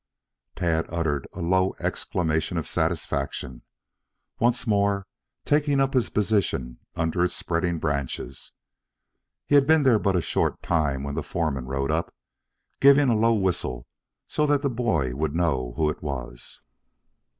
Tad uttered a low exclamation of satisfaction, once more taking up his position under its spreading branches. He had been there but a short time when the foreman rode up, giving a low whistle so that the boy would know who it was.